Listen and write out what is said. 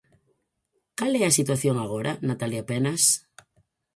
Cal é a situación agora, Natalia Penas?